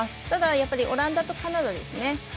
ただ、オランダとカナダですね。